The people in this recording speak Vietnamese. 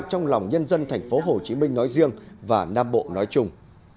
trong lòng nhân dân tp hcm nói riêng và nam bộ nói chung